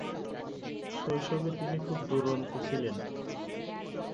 শৈশবে তিনি খুব দুরন্ত ছিলেন।